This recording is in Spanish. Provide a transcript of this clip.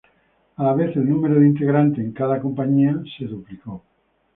A la vez el número de integrantes en cada compañía se duplicó.